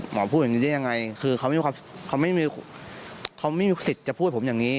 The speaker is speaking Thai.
หมอพูดแบบนี้ได้ยังไงคือเขาไม่มีสิทธิ์จะพูดผมอย่างนี้